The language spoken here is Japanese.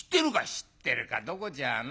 「知ってるかどこじゃないよ。